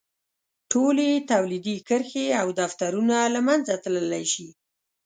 ټولې تولیدي کرښې او دفترونه له منځه تللی شي.